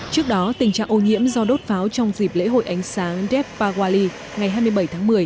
trước đó tình trạng ô nhiễm do đốt pháo trong dịp lễ hội ánh sáng def pawali ngày hai mươi bảy tháng một mươi